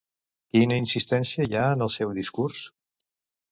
Quina insistència hi ha en el seu discurs?